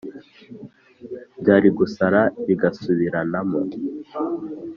byari gusara bigasubiranamo